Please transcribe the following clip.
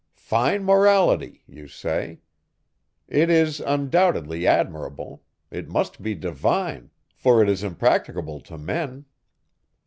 "Fine morality!" you say. It is, undoubtedly, admirable: it must be divine, for it is impracticable to men.